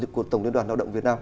của tổng liên đoàn lao động việt nam